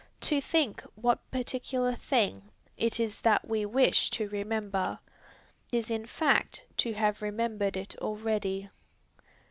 To think what particular thing it is that we wish to remember, is in fact to have remembered it already.